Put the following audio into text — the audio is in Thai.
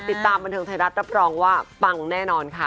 ติดตามบันเทิงไทยรัฐรับรองว่าปังแน่นอนค่ะ